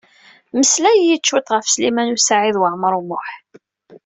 Mmeslay-iyi-d cwiṭ ɣef Sliman U Saɛid Waɛmaṛ U Muḥ.